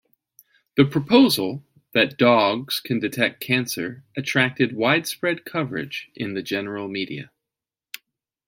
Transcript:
The proposal that dogs can detect cancer attracted widespread coverage in the general media.